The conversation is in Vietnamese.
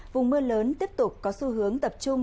vùng mưa lớn tiếp tục có xu hướng tập trung